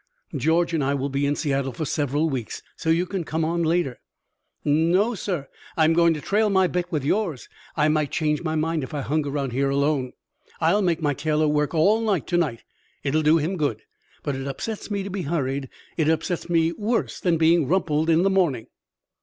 "George and I will be in Seattle for several weeks, so you can come on later." "No, sir! I'm going to trail my bet with yours. I might change my mind if I hung around here alone. I'll make my tailor work all night to night; it will do him good. But it upsets me to be hurried; it upsets me worse than being rumpled in the morning."